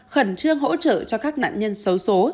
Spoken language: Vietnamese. khẩn trương hỗ trợ cho các nạn nhân sống